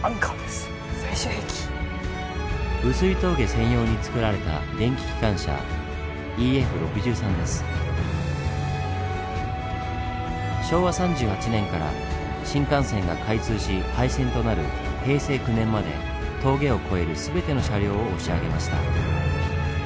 峠専用に造られた昭和３８年から新幹線が開通し廃線となる平成９年まで峠を越える全ての車両を押し上げました。